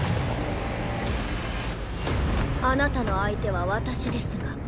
あなたの相手は私ですが。